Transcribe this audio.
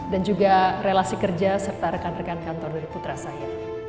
dan juga relasi kerja serta rekan rekan kantor dari putra saya